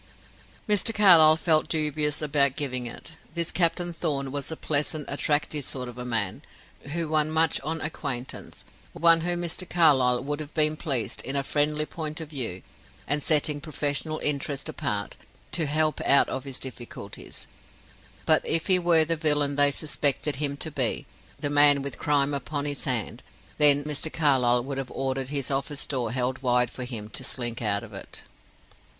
Mr. Carlyle felt dubious about giving it. This Captain Thorn was a pleasant, attractive sort of a man, who won much on acquaintance; one whom Mr. Carlyle would have been pleased, in a friendly point of view, and setting professional interest apart, to help out of his difficulties; but if he were the villain they suspected him to be, the man with crime upon his hand, then Mr. Carlyle would have ordered his office door held wide for him to slink out of it.